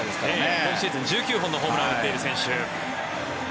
今シーズン１９本のホームランを打っている選手。